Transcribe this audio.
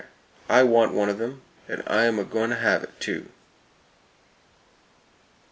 I want one o' them, an' I'm a goin' to have it, too!"